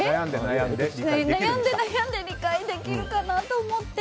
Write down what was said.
悩んで悩んで理解できるかなと思って。